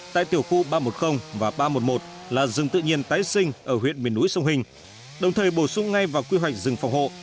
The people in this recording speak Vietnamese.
tại tiểu khu ba trăm một mươi và ba trăm một mươi một là rừng tự nhiên tái sinh ở huyện miền núi sông hình đồng thời bổ sung ngay vào quy hoạch rừng phòng hộ